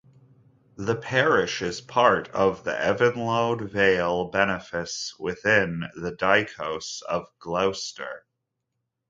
The parish is part of the Evenlode Vale benefice within the Diocese of Gloucester.